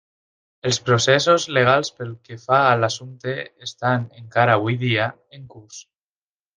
Els processos legals pel que fa a l'assumpte estan, encara avui dia, en curs.